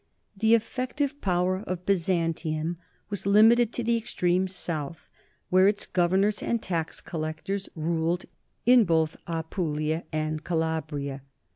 The effective power of Byzantium was limited to the extreme south, where its governors and tax collectors ruled in both Apulia and Calabria.